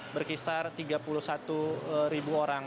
berkisar tiga puluh satu ribu orang